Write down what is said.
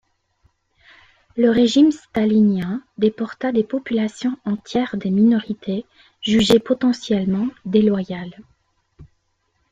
Le régime stalinien déporta des populations entières de minorités jugées potentiellement déloyales.